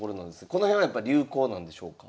この辺はやっぱ流行なんでしょうか？